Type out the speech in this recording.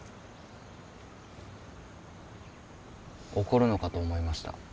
怒るのかと思いました。